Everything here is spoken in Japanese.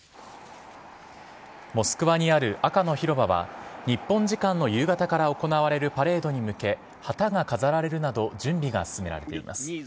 モスクワにある赤の広場は、日本時間の夕方から行われるパレードに向け、旗が飾られるなど、準備が進められています。